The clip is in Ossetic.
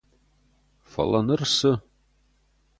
Фӕлӕ ныр цы?